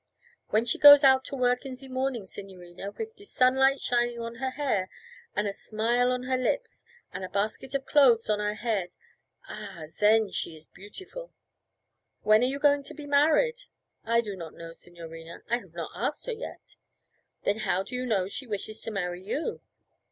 'When she goes out to work in ze morning, signorina, wif the sunlight shining on her hair, and a smile on her lips, and a basket of clothes on her head Ah, zen she is beautiful!' 'When are you going to be married?' 'I do not know, signorina. I have not asked her yet.' 'Then how do you know she wishes to marry you?'